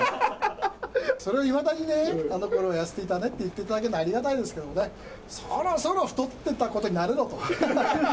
それをいまだにね、あのころは痩せていたねって言っていただけるのはありがたいですけれどもね、そろそろ太ってたことに慣れろと。